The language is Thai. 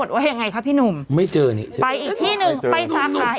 เธออยู่ไหนสกิต